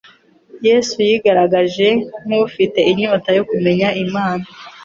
Yesu yigaragaje nk'ufite inyota yo kumenya Imana.